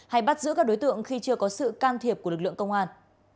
hay bắt giữ các đối tượng khi chưa có sự can thiệp của lực lượng công an